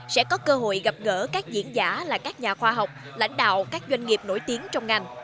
sẽ có cơ hội gặp gỡ các diễn giả là các nhà khoa học lãnh đạo các doanh nghiệp nổi tiếng trong ngành